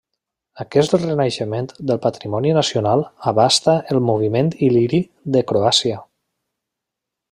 Aquest renaixement del patrimoni nacional abasta el moviment il·liri de Croàcia.